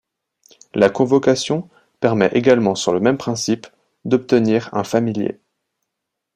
La convocation permet également sur le même principe d'obtenir un familier.